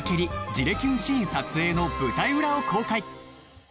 じれキュンシーン撮影の舞台裏を公開！